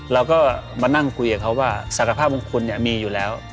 เราก็มานั่งคุยกับเขาว่าสารภาพของคุณมีอยู่แล้ว